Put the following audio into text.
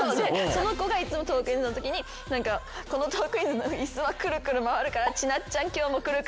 その子がいつも『トークィーンズ』のときにこの『トークィーンズ』の椅子はクルクル回るから。